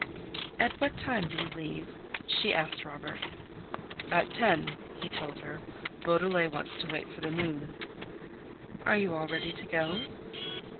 "At what time do you leave?" she asked Robert. "At ten," he told her. "Beaudelet wants to wait for the moon." "Are you all ready to go?"